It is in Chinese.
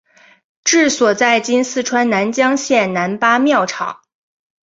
治所在今四川南江县南八庙场。